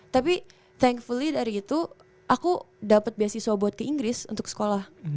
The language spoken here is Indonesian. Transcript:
tapi thankfully dari itu aku dapat beasiswa buat ke inggris untuk sekolah